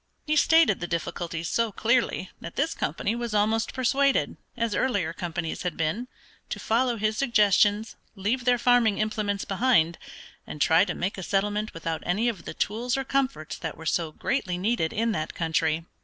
He stated the difficulties so clearly that this company was almost persuaded, as earlier companies had been, to follow his suggestions, leave their farming implements behind, and try to make a settlement without any of the tools or comforts that were so greatly needed in that country.